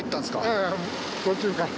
ええ途中から。